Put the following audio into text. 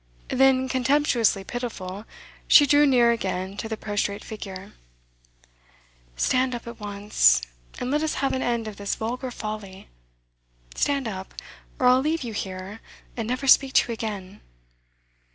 Then, contemptuously pitiful, she drew near again to the prostrate figure. 'Stand up at once, and let us have an end of this vulgar folly. Stand up, or I'll leave you here, and never speak to you again.